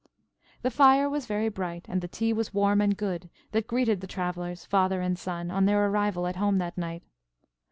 The fire was very bright, and the tea was warm and good, that greeted the travellers, Father and Son, on their arrival at home that night.